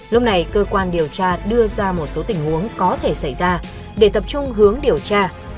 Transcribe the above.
lúc này cơ quan điều tra đưa ra một số tình huống có thể xảy ra để tập trung hướng điều tra